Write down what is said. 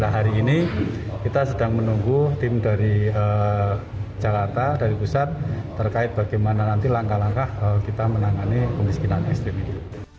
hari ini kita sedang menunggu tim dari jakarta dari pusat terkait bagaimana nanti langkah langkah kita menangani kemiskinan ekstrim ini